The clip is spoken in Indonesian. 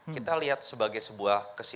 kita lihat sebagai sebuah